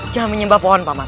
jangan menyembah pohon pamat